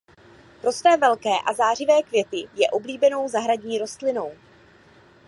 Pro své velké a zářivé květy je oblíbenou zahradní rostlinou.